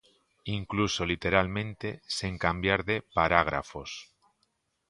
Incluso literalmente, sen cambiar de parágrafos.